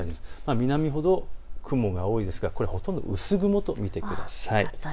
南ほど雲が多いですから雲が多いですからほとんど薄雲と見てください。